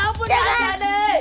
ambil kak anjani